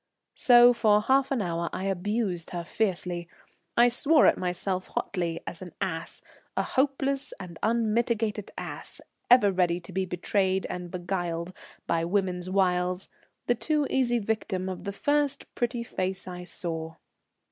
So for half an hour I abused her fiercely; I swore at myself hotly as an ass, a hopeless and unmitigated ass, ever ready to be betrayed and beguiled by woman's wiles, the too easy victim of the first pretty face I saw.